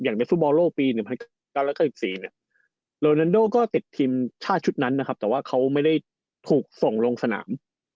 ในฟุตบอลโลกปี๑๙๙๔เนี่ยโรนันโดก็ติดทีมชาติชุดนั้นนะครับแต่ว่าเขาไม่ได้ถูกส่งลงสนาม